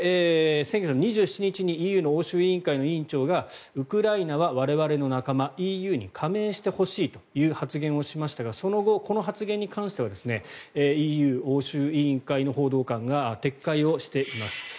先月２７日にＥＵの欧州委員会の委員長がウクライナは我々の仲間ＥＵに加盟してほしいという発言をしましたがその後、この発言に関してはＥＵ欧州委員会の報道官が撤回をしています。